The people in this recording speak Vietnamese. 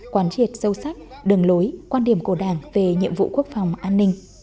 quán triệt sâu sắc đường lối quan điểm của đảng về nhiệm vụ quốc phòng an ninh